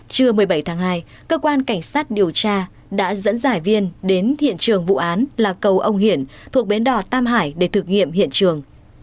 trưa một mươi bảy tháng hai cơ quan cảnh sát điều tra đã dẫn giải viên đến hiện trường vụ án là cầu ông hiển thuộc bến đỏ tam hải để thực nghiệm hiện trường